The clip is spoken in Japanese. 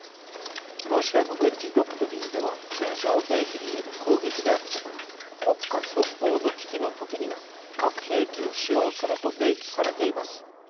ロシアの軍事ドクトリンでは通常兵器による攻撃であっても国家存亡の危機の時には核兵器を使用すると明記されています。